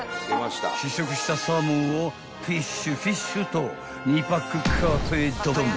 ［試食したサーモンをフィッシュフィッシュと２パックカートへドドン］